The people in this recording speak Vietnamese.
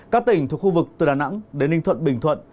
các tỉnh thuộc khu vực từ đà nẵng đến ninh thuận bình thuận